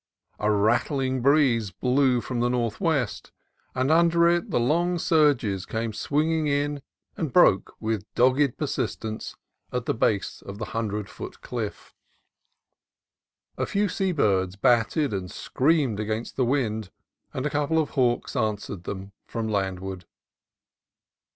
A rattling breeze blew from the northwest, and under it the long surges came swinging in and broke with dogged DRAKE'S MONUMENT 253 persistence at the base of the hundred foot cliff. A few sea birds battled and screamed against the wind, and a couple of hawks answered them from landward.